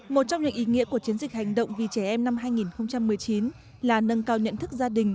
một trong những ý nghĩa của chiến dịch hành động vì trẻ em năm hai nghìn một mươi chín là nâng cao nhận thức gia đình